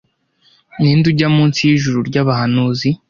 ninde ujya munsi y'ijuru ry'abahanuzi